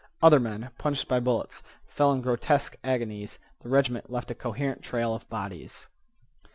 Other men, punched by bullets, fell in grotesque agonies. The regiment left a coherent trail of bodies.